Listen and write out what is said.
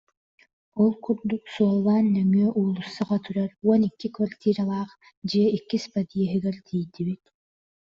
Ол курдук суоллаан нөҥүө уулуссаҕа турар уон икки квартиралаах дьиэ иккис подъеһыгар тиийдибит